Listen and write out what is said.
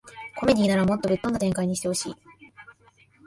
コメディならもっとぶっ飛んだ展開にしてほしい